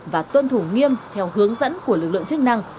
và tuân thủ nghiêm theo hướng dẫn của lực lượng chức năng